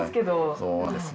そうですね。